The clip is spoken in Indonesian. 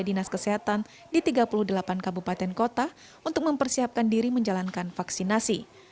dinas kesehatan di tiga puluh delapan kabupaten kota untuk mempersiapkan diri menjalankan vaksinasi